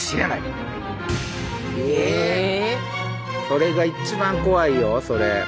それが一番怖いよそれ。